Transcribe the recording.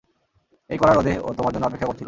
এই কড়া রোদে ও তোমার জন্য অপেক্ষা করছিল।